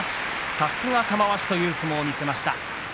さすが玉鷲という相撲を見せました。